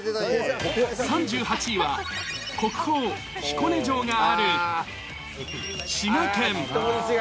３８位は、国宝、彦根城がある滋賀県。